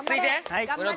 はい。